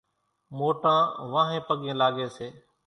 موٽان وانھين پڳين لاڳي سي۔